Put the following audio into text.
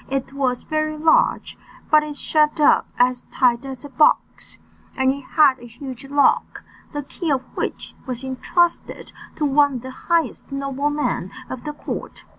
It was very large, but it shut up as tight as a box, and it had a huge lock, the key of which was entrusted to one of the highest noblemen of the court.